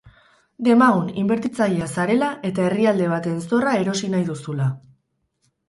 Demagun inbertitzailea zarela eta herrialde baten zorra erosi nahi duzula.